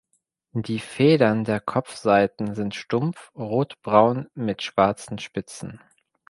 Die Federn der Kopfseiten sind stumpf rotbraun mit schwarzen Spitzen.